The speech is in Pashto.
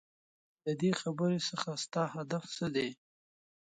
ددې خبرې څخه ستا هدف څه دی ؟؟